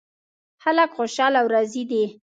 خلک خوشحال او راضي دي